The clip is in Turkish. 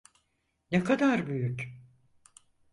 Ne kadar büyük?